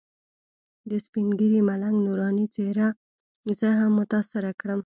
د سپین ږیري ملنګ نوراني څېرې زه هم متاثره کړم.